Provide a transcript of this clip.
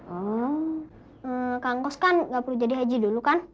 oh kak angkos kan gak perlu jadi haji dulu kan